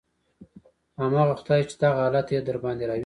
همغه خداى چې دغه حالت يې درباندې راوستى.